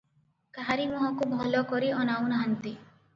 କାହାରି ମୁହଁକୁ ଭଲ କରି ଅନାଉ ନାହାନ୍ତି ।